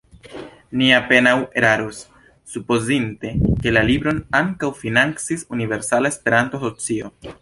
Ni apenaŭ eraros, supozinte ke la libron ankaŭ financis Universala Esperanto Asocio.